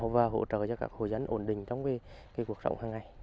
và hỗ trợ cho các hồ dân ổn định trong cuộc sống hàng ngày